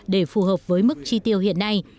để phù hợp với mức chi tiêu hiện nay